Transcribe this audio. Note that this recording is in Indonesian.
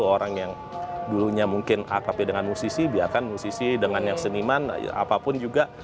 orang yang dulunya mungkin akrabnya dengan musisi biarkan musisi dengan yang seniman apapun juga